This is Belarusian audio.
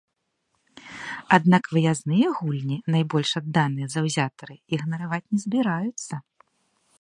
Аднак выязныя гульні найбольш адданыя заўзятары ігнараваць не збіраюцца.